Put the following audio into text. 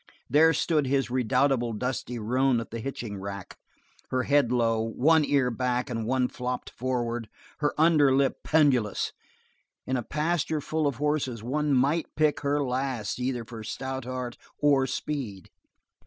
There stood his redoubtable dusty roan at the hitching rack, her head low, one ear back and one flopped forward, her under lip pendulous in a pasture full of horses one might pick her last either for stout heart or speed.